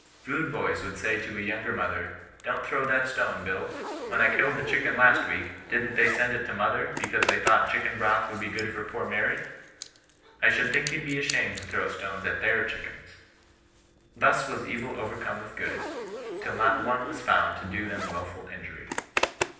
Kude boys would say to a younger brother, * Don t throw that stone, Bill ! When I killed the chicken last week, didn't they send it to mother, because they thought chicken broth would be good for poor Mary 1 I should think you'd be ashamed to throw stones at their chick ens.' Thus was evil overcome with good ; till not one was found to do them wilful injury.